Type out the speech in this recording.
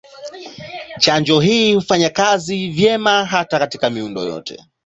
Chanjo hii hufanya kazi vyema hata katika miundo yote.